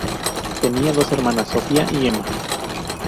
Tenía dos hermanas: Sophia y Emma.